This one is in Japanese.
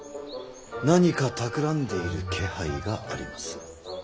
何かたくらんでいる気配があります。